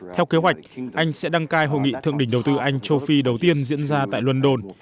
theo kế hoạch anh sẽ đăng cai hội nghị thượng đỉnh đầu tư anh châu phi đầu tiên diễn ra tại london